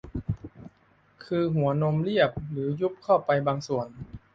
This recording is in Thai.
คือหัวนมเรียบหรือยุบเข้าไปบางส่วน